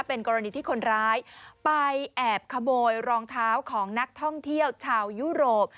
เป็นกรณีที่คนร้ายไปแอบขโมยรองเท้าของนักท่องเที่ยวชาวยุโรป